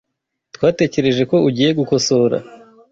Twatekereje ko ugiye gukosora.